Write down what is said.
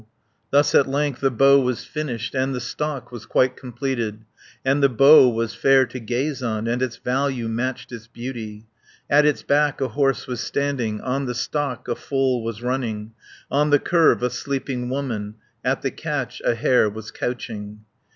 Thus at length the bow was finished. And the stock was quite completed, 40 And the bow was fair to gaze on, And its value matched its beauty. At its back a horse was standing, On the stock a foal was running, On the curve a sleeping woman, At the catch a hare was couching.